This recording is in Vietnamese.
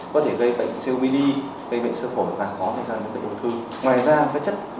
có thể gây bệnh siêu mini gây bệnh siêu phổn và có thể gây bệnh bệnh hồ thư